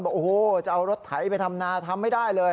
โอ้โฮจะเอารถไถนาไปทำไม่ได้เลย